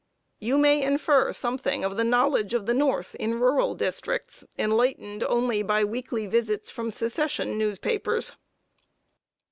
You may infer something of the knowledge of the North in rural districts, enlightened only by weekly visits from Secession newspapers!